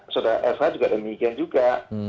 sudara esra juga demikian juga